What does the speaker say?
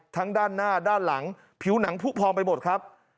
ด้านหน้าด้านหลังผิวหนังผู้พองไปหมดครับ